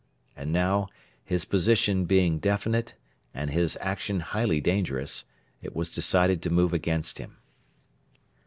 And now, his position being definite and his action highly dangerous, it was decided to move against him.